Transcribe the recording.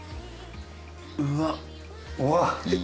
「うわっ」